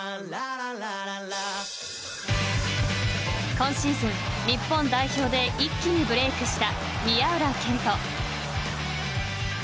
［今シーズン日本代表で一気にブレークした］